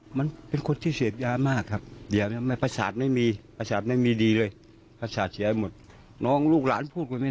เหมือนคุณพ่อจะดีใจที่ตำรวจจับกุมลูกไปได้